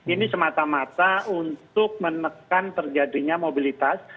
ini semata mata untuk menekan terjadinya mobilitas